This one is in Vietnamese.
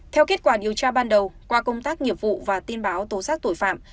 theo kết quả điều tra ban đầu qua công tác nghiệp vụ và tin báo tổ sát tội phạm